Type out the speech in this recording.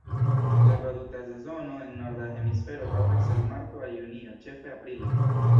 Reprodukta sezono en norda hemisfero daŭras el marto al junio, ĉefe aprile.